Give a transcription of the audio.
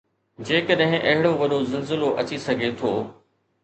جيڪڏهن اهڙو وڏو زلزلو اچي سگهي ٿو.